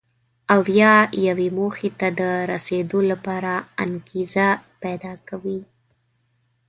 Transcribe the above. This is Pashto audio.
او یا یوې موخې ته د رسېدو لپاره انګېزه پیدا کوي.